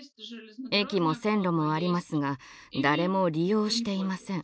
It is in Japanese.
駅も線路もありますが誰も利用していません。